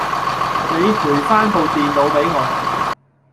你陪返部電腦畀我